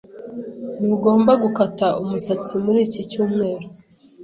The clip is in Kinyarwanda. Ntugomba gukata umusatsi muri iki cyumweru.